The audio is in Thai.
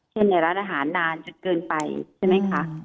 ในร้านอาหารนานจนเกินไปใช่ไหมคะ